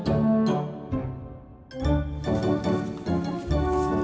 ini uangnya bu ya